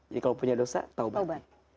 jadi kalau punya dosa taubati